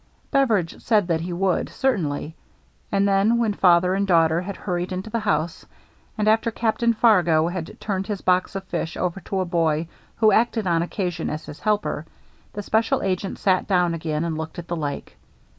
Beveridge said that he would, certainly. And then when father and daughter had hur ried into the house, and after Captain Fargo had turned his box of fish over to a boy who acted on occasions as his helper, the special agent sat down again and looked at the Lake.